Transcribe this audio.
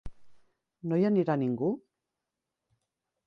No hi anirà ningú?